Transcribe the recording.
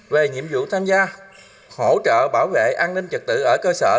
về nhiệm vụ tham gia hỗ trợ bảo vệ an ninh trật tự ở cơ sở